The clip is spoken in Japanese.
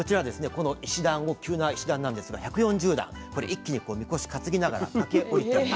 この石段を急な石段なんですが１４０段これ一気にみこし担ぎながら駆け下りたり。